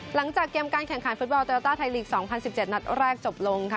หลังจากเกมการแข่งขันฟุตบอลโยต้าไทยลีก๒๐๑๗นัดแรกจบลงค่ะ